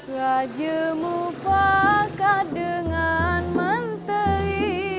raja mufakat dengan menteri